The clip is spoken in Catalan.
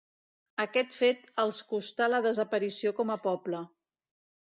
Aquest fet els costà la desaparició com a poble.